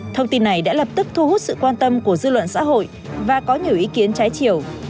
thông tin này đã lập tức thu hút sự quan tâm của dư luận xã hội và có nhiều ý kiến trái chiều